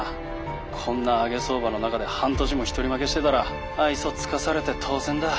こんな上げ相場の中で半年も一人負けしてたら愛想尽かされて当然だ。